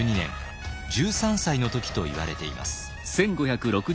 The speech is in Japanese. １３歳の時といわれています。